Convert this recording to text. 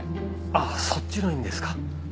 あっそっちの意味ですか。